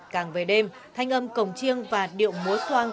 càng về đêm thanh âm cổng chiêng và điệu múa soang